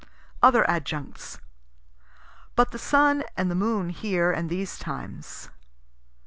Other adjuncts. But the sun and the moon here and these times.